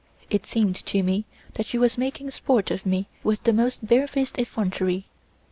It seemed to me that she was making sport of me with the most barefaced effrontery.